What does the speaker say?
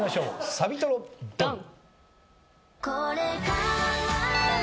サビトロドン！